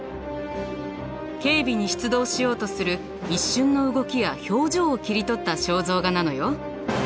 警備に出動しようとする一瞬の動きや表情を切り取った肖像画なのよ。